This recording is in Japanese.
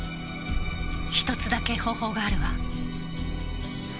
１つだけ方法があるわ。